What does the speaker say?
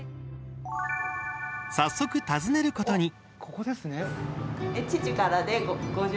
早速、訪ねることに。